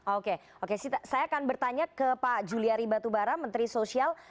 oke oke saya akan bertanya ke pak juliari batubara menteri sosial